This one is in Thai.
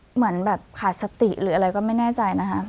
เหมือนแบบขาดสติหรืออะไรก็ไม่แน่ใจนะคะ